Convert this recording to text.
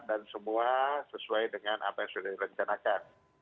dan semua sesuai dengan apa yang sudah direncanakan